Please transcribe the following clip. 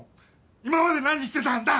今まで何してたんだ！？